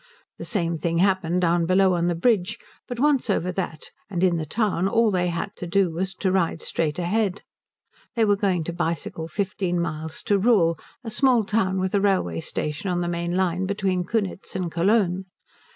The same thing happened down below on the bridge; but once over that and in the town all they had to do was to ride straight ahead. They were going to bicycle fifteen miles to Rühl, a small town with a railway station on the main line between Kunitz and Cologne.